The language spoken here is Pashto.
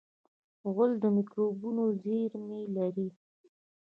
غول د مکروبونو زېرمې لري.